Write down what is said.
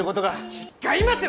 違いますよ！